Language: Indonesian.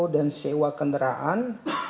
dan sewa kendaraan